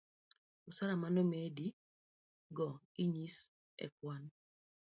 osara manomedi go inyis ekwan